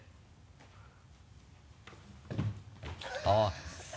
あっ！